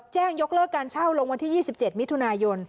แจ้งยกเลิกการเช่าลงวันที่๒๗มิถุนายน